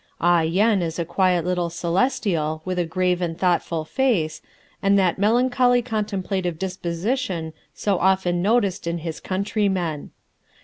Ah Yen is a quiet little celestial with a grave and thoughtful face, and that melancholy contemplative disposition so often noticed in his countrymen.